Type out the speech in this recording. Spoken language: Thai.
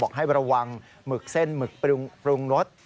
ให้ระวังหมึกเส้นหมึกปรุงรส